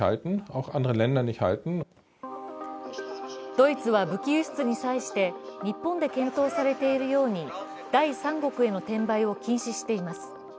ドイツは武器輸出に際して日本で検討されているように第三国への転売を禁止しています。